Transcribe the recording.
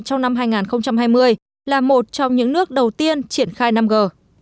trong năm hai nghìn hai mươi là một trong những nước đầu tiên triển khai năm g